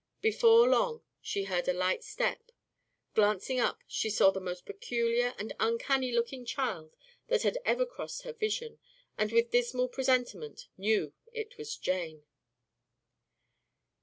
Before long she heard a light step. Glancing up, she saw the most peculiar and uncanny looking child that had ever crossed her vision, and with dismal presentiment knew it was Jane.